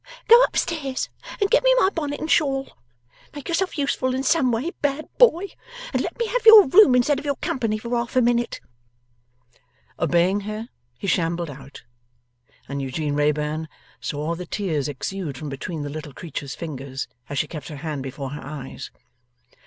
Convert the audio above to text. Go up stairs and get me my bonnet and shawl. Make yourself useful in some way, bad boy, and let me have your room instead of your company, for one half minute.' Obeying her, he shambled out, and Eugene Wrayburn saw the tears exude from between the little creature's fingers as she kept her hand before her eyes.